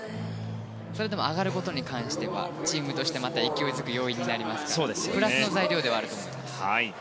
それでも上がることに関してはチームとしては勢いづく要因になりますからプラスの材料ではあると思います。